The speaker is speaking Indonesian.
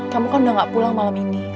kamu kan udah gak pulang malam ini